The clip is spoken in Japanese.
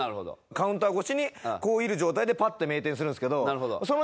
カウンター越しにこういる状態でパッて明転するんですけど。